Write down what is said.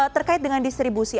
terkait dengan distribusi